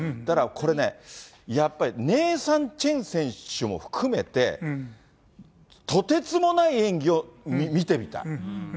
だからこれね、やっぱり、ネイサン・チェン選手も含めて、とてつもない演技を見てみたい。